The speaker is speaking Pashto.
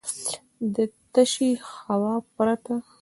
د تشې هوا پرته .